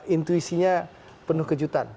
intuisinya penuh kejutan